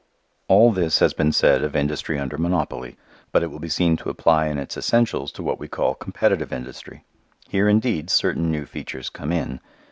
All this has been said of industry under monopoly. But it will be seen to apply in its essentials to what we call competitive industry. Here indeed certain new features come in.